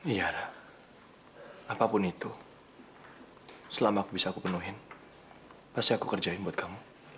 iya apapun itu selama aku bisa aku penuhin pasti aku kerjain buat kamu